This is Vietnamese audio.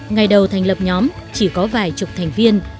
ngày đầu thành lập nhóm chỉ có vài chục thành viên